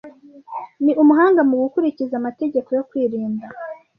Ni umuhanga mu gukurikiza amategeko yo kwirinda.